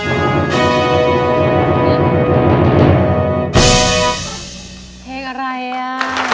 อินโทรเพลงที่๓มูลค่า๔๐๐๐๐บาทมาเลยครับ